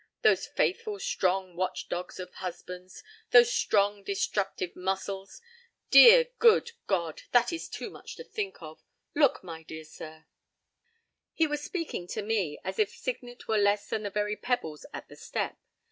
Those faithful, strong watch dogs of husbands! Those strong, destructive muscles! Dear, good God, that is too much to think of—Look, my dear sir!" He was speaking to me, as if Signet were less than the very pebbles at the step.